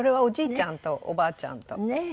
ちゃんとおばあちゃんと。